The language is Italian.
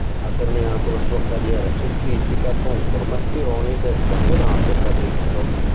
Ha terminato la sua carriera cestistica con formazioni del campionato cadetto.